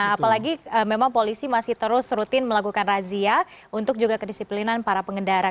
apalagi memang polisi masih terus rutin melakukan razia untuk juga kedisiplinan para pengendara